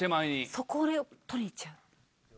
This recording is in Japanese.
それを取りに行っちゃう。